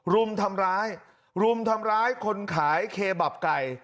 รุมทำร้ายรุมทำร้ายคนขายเคบับไก่